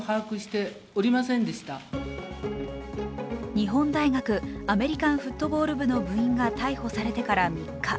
日本大学アメリカンフットボール部の部員が逮捕されてから３日。